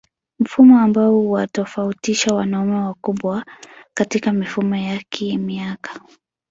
Mfumo ambao huwatofautisha wanaume wakubwa katika mifumo ya kimiaka